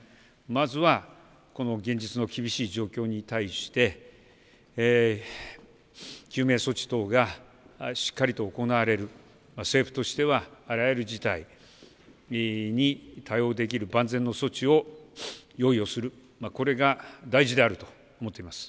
まずは、この現実の厳しい状況に対して救命措置等がしっかりと行われる政府としては、あらゆる事態に対応できる万全の措置を用意をするこれが大事であると思っています。